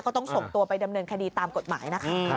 ต้องส่งตัวไปดำเนินคดีตามกฎหมายนะคะ